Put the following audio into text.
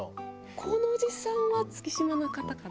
このおじさんは月島の方かな？